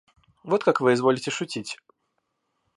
Вот как вы изволите шутить.